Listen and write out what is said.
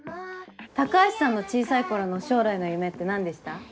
高橋さんの小さい頃の将来の夢って何でした？